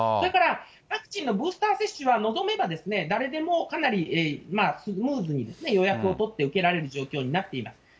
だから、ワクチンのブースター接種は、望めば、誰でもかなりスムーズに予約を取って受けられる状況になっています。